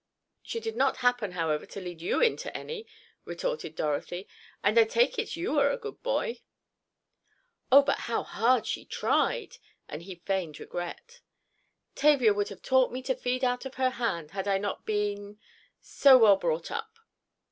"She did not happen, however, to lead you into any," retorted Dorothy, "and I take it you are a 'good boy'." "Oh, but how hard she tried," and he feigned regret. "Tavia would have taught me to feed out of her hand, had I not been—so well brought up."